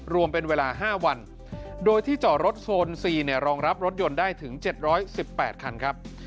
รวมเป็นเวลา๕วันโดยที่จอดรถโซน๔รองรับรถยนต์ได้ถึง๗๑๘คันครับ